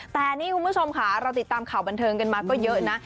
แต่นี่คุณผู้ชมค่ะเราติดตามข่าวบันเทิงกันมาก็เยอะนะ